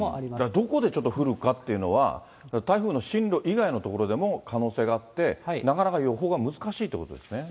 どこでちょっと降るかっていうのは、台風の進路以外の所でも可能性があって、なかなか予報が難しいということですね。